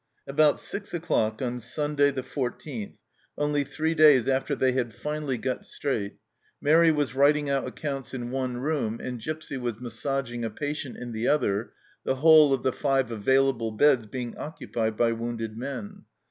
About six o'clock on Sunday, 14th, only three 230 THE CELLAR HOUSE OF PERVYSE days after they had finally got straight, Mairi was writing out accounts in one room and Gipsy was massaging a patient in the other, the whole of the five available beds being occupied by wounded men.